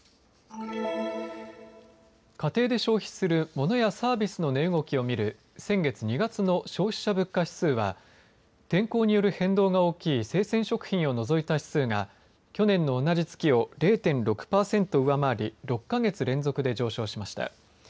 家庭で消費するモノやサービスの値動きを見る先月２月の消費者物価指数は天候による変動が大きい生鮮食品を除いた指数が去年の同じ月を０．６％上回り６か月連続で上昇しました。